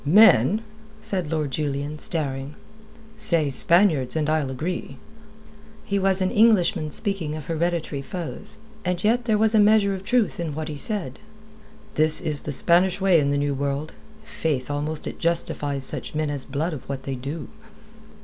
"Men?" said Lord Julian, staring. "Say Spaniards, and I'll agree." He was an Englishman speaking of hereditary foes. And yet there was a measure of truth in what he said. "This is the Spanish way in the New World. Faith, almost it justifies such men as Blood of what they do."